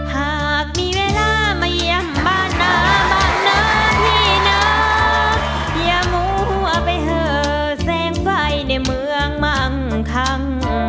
หากมีเวลามาเลี่ยงบ้านน้ำอันนี้นะอย่ามั่วไปเฮอแสงไฟในเมืองบางครั้ง